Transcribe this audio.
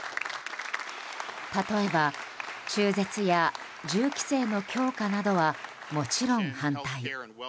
例えば中絶や、銃規制の強化などは、もちろん反対。